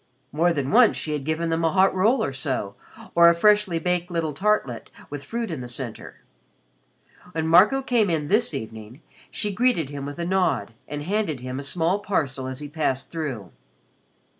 More than once she had given them a hot roll or so or a freshly baked little tartlet with fruit in the center. When Marco came in this evening, she greeted him with a nod and handed him a small parcel as he passed through.